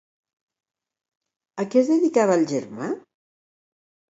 A què es dedicava el germà?